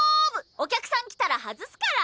お客さん来たら外すから。